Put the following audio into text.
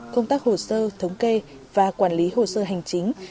công tác hồ sơ thống kê và quản lý hồ sơ hành chính